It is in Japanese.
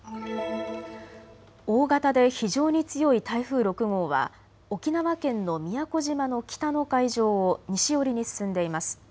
大型で非常に強い台風６号は沖縄県の宮古島の北の海上を西寄りに進んでいます。